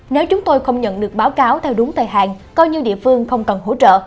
nếu chúng tôi không nhận được báo cáo theo đúng thời hạn coi như địa phương không cần hỗ trợ